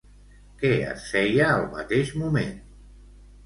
Què es feia al mateix moment?